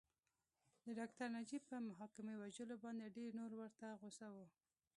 د ډاکټر نجیب بې محاکمې وژلو باندې ډېر نور ورته غوسه وو